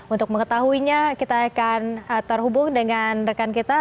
untuk mengetahuinya kita akan terhubung dengan rekan kita